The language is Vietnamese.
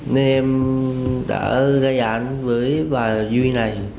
nên em đã gây án với bà duy này